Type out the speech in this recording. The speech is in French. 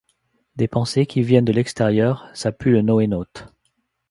Des pensées qui viennent de l'extérieur Ça pue le NoéNaute.